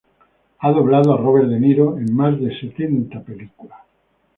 Ha doblado a Robert De Niro en más de setenta películas.